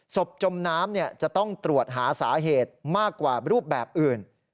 จมน้ำจะต้องตรวจหาสาเหตุมากกว่ารูปแบบอื่น